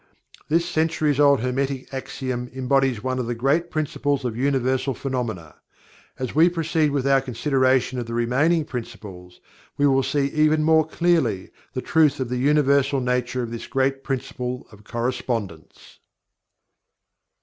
This centuries old Hermetic axiom embodies one of the great Principles of Universal Phenomena. As we proceed with our consideration of the remaining Principles, we will see even more clearly the truth of the universal nature of this great Principle of Correspondence.